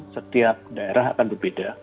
setiap daerah akan berbeda